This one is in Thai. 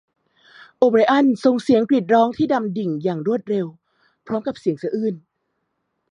โอไบรอันส่งเสียงกรีดร้องที่ดำดิ่งอย่างรวดเร็วพร้อมกับเสียงสะอื้น